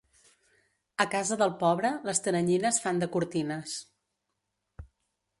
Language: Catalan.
A casa del pobre les teranyines fan de cortines.